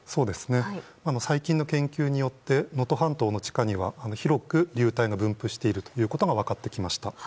最近の研究によって能登半島の地下には広く流体が分布していることが分かってきました。